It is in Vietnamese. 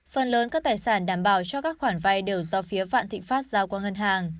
phần lớn các tài sản đảm bảo cho các khoản vay đều do phía vạn thịnh pháp giao qua ngân hàng